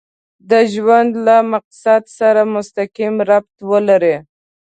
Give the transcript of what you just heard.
د ژوند له مقصد سره مسقيم ربط ولري.